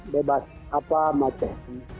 bebas apa macam